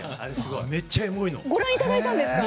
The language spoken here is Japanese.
めっちゃエモいの。